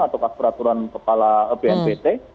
atau peraturan kepala bnpt